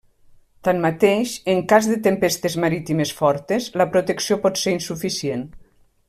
Tanmateix, en cas de tempestes marítimes fortes, la protecció pot ser insuficient.